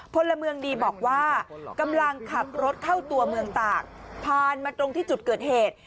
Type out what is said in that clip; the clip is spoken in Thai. พลเมืองดีบอกว่ากำลังขับรถเข้าตัวเมืองตากผ่านมาตรงที่จุดเกิดเหตุ